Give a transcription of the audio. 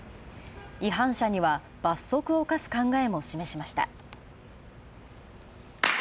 違反者には罰則を科す考えも示しました。